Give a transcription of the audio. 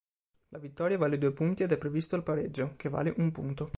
La vittoria vale due punti ed è previsto il pareggio, che vale un punto.